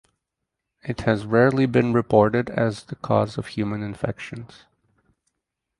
It has rarely been reported as the cause of human infections.